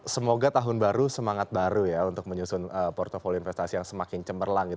semoga tahun baru semangat baru ya untuk menyusun portfoli investasi yang semakin cemerlang